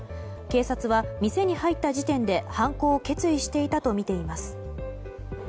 警察は店に入った時点で犯行を決意していたとみています。